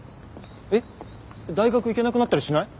えっ大学行けなくなったりしない？